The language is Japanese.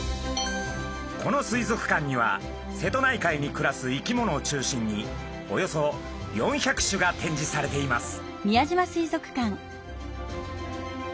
この水族館には瀬戸内海に暮らす生き物を中心におよそ４００種が展示されています。